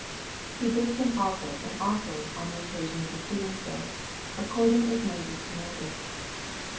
He bids him offer an offering on the occasion of his doing so, '^ according as Moses commanded."